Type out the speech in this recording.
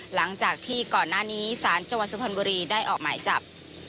หลังจากที่ก่อนหน้านี้สารจังหวัดสุพรรณบุรีได้ออกหมายจับ